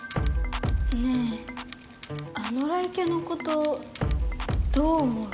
ねえあの雷キャのことどう思う？